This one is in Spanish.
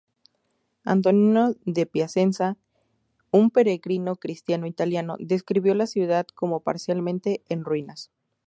Antonino de Piacenza, un peregrino cristiano italiano, describió la ciudad como parcialmente en ruinas.